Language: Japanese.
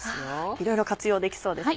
いろいろ活用できそうですね。